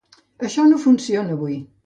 Això no funciona avui